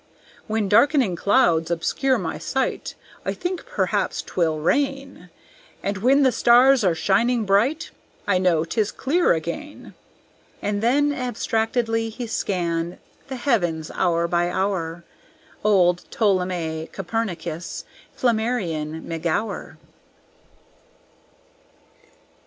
When dark'ning clouds obscure my sight, I think perhaps 'twill rain; And when the stars are shining bright, I know 'tis clear again." And then abstractedly he scanned The heavens, hour by hour, Old Ptolemy Copernicus Flammarion McGower.